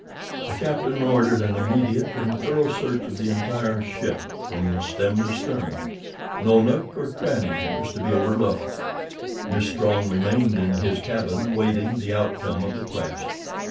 The captain ordered an immediate and thorough search of the entire ship from stem to stern—no nook or cranny was to be overlooked. Miss Strong remained in his cabin, waiting the outcome of the quest.